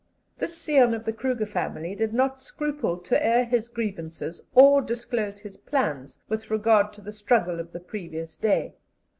This scion of the Kruger family did not scruple to air his grievances or disclose his plans with regard to the struggle of the previous day.